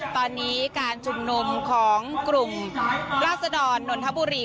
ตอนนี้การชุมนุมของกลุ่มราศดรนนทบุรี